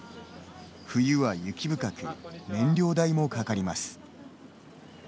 冬は雪深く、燃料代もかかります。